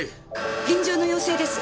臨場の要請です。